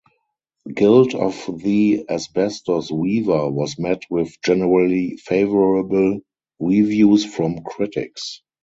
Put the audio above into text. Guild of the Asbestos Weaver was met with generally favorable reviews from critics.